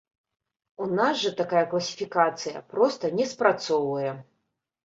У нас жа такая класіфікацыя проста не спрацоўвае.